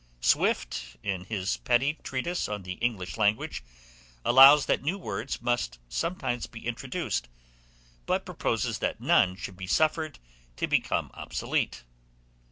Swift, in his petty treatise on the English language, allows that new words must sometimes be introduced, but proposes that none should be suffered to become obsolete.